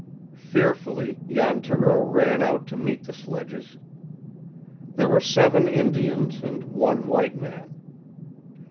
Fearfully Jan Thoreau ran out to meet the sledges. There were seven Indians and one white man.